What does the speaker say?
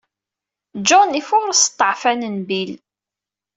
John ifuṛes ḍḍeɛfan n Bill.